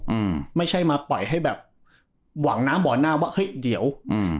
อืมไม่ใช่มาปล่อยให้แบบหวังน้ำบ่อหน้าว่าเฮ้ยเดี๋ยวอืม